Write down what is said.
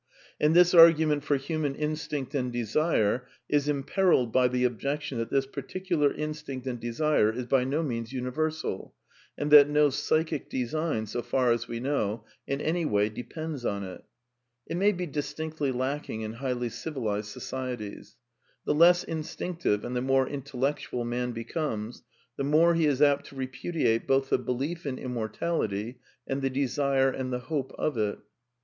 And this argument from human instinct and desire is imperilled by the objection that this particular instinct and desire is by no means universal, and that no psychic design, so far as we know, in any way de pends on it. It may be distinctly lacking in highly civi lized societies. The less instinctive and the more intel lectual man becomes, the more he is apt to repudiate both the belief in immortality and the desire and the hope of it.